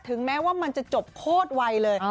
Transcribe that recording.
แม้ว่ามันจะจบโคตรวัยเลย